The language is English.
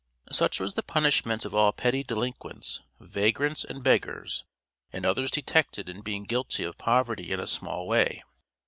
Such was the punishment of all petty delinquents, vagrants, and beggars and others detected in being guilty of poverty in a small way.